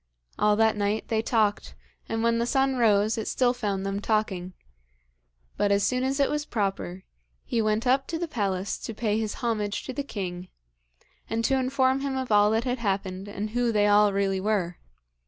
All that night they talked, and when the sun rose it still found them talking. But as soon as it was proper, he went up to the palace to pay his homage to the king, and to inform him of all that had happened and who they all really were.